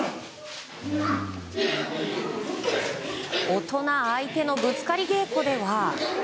大人相手のぶつかり稽古では。